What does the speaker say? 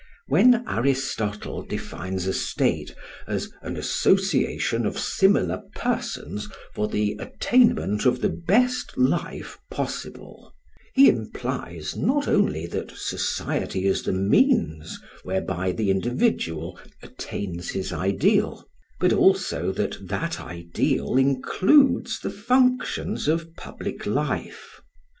When Aristotle defines a state as "an association of similar persons for the attainment of the best life possible", he implies not only that society is the means whereby the individual attains his ideal, but also that that ideal includes the functions of public life.